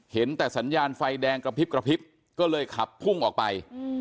เห็นแต่สัญญาณไฟแดงกระพริบกระพริบก็เลยขับพุ่งออกไป